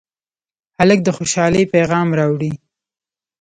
هلک د خوشالۍ پېغام راوړي.